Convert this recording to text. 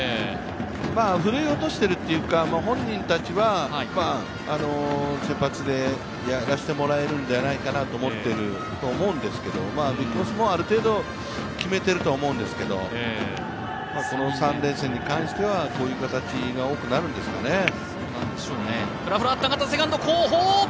振るい落としているというか、本人たちは先発でやらせてもらえるんじゃないかなと思っていると思うんですけれども、ＢＩＧＢＯＳＳもある程度決めてると思うんですけど、この３連戦に関してはこういう形が多くなるんですかね。